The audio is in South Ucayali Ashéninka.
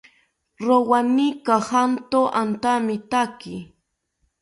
Rowani kajanto antamitaki